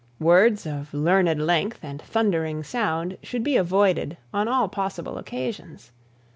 Words of "learned length and thundering sound" should be avoided on all possible occasions.